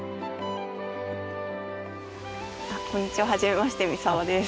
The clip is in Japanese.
こんにちははじめまして三澤です。